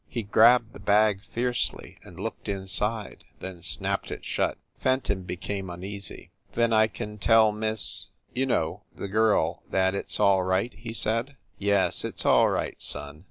He grabbed the bag fiercely and looked inside, then snapped it shut. Fenton became un easy. "Then I can tell Miss you know, the girl, that it s all right?" he said. "Yes, it s all right, son."